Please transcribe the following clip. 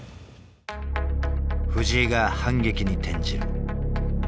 藤井が反撃に転じる。